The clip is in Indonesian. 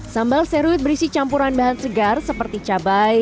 sambal seruit berisi campuran bahan segar seperti cabai